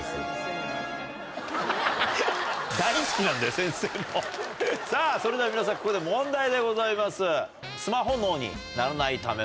先生もさぁそれでは皆さんここで問題でございます。